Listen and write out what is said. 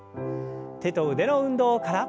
手と腕の運動から。